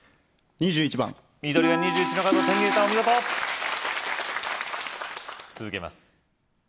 ２１番緑が２１の角を手に入れたお見事続けます